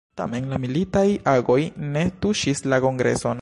Tamen la militaj agoj ne tuŝis la kongreson.